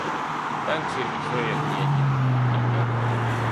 Так-же и человек не один, а много.